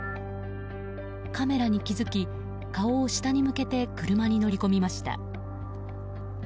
カメラに気づき、顔を下に向けて車に乗り込みました。